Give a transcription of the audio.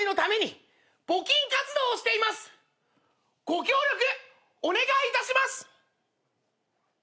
ご協力お願いいたします。